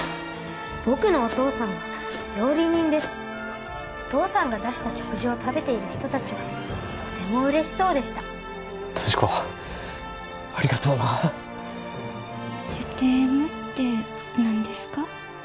僕のお父さんは料理人ですお父さんが出した食事を食べている人達はとても嬉しそうでした俊子ありがとうなジュテームって何ですか？